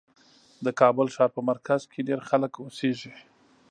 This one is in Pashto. د کابل ښار په مرکز کې ډېر خلک اوسېږي.